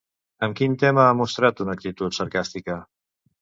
Amb quin tema ha mostrat una actitud sarcàstica?